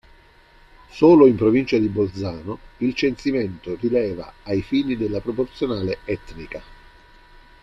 Solo in provincia di Bolzano il censimento rileva ai fini della proporzionale etnica.